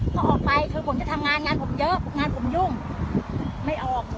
ก็ออกไปคือผมจะทำงานงานผมเยอะงานผมยุ่งไม่ออก